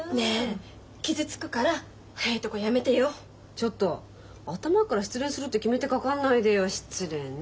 ちょっと頭っから失恋するって決めてかかんないでよ失礼ね。